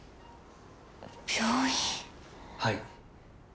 はい。